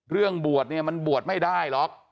เรื่องบวชเนี่ยมันบวชไม่ได้หรอก